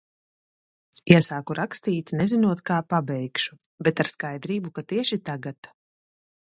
Iesāku rakstīt, nezinot, kā pabeigšu, bet ar skaidrību, ka tieši tagad.